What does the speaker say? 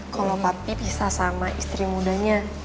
kalo papi pisah sama istri mudanya